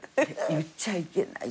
言っちゃいけない。